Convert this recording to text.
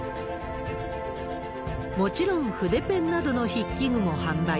もちろん、筆ペンなどの筆記具も販売。